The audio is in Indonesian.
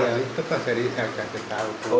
iya itu pas dia dikasih tahu